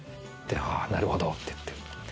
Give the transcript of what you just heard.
「あなるほど」って言って。